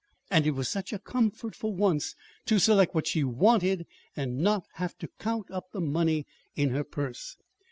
And it was such a comfort, for once, to select what she wanted, and not have to count up the money in her purse!